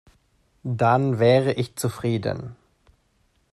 Dann wäre ich zufrieden.